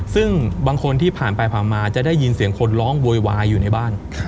ซึ่งบางคนที่ผ่านไปผ่านมาจะได้ยินเสียงคนร้องโวยวายอยู่ในบ้าน